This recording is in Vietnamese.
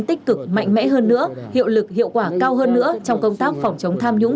tích cực mạnh mẽ hơn nữa hiệu lực hiệu quả cao hơn nữa trong công tác phòng chống tham nhũng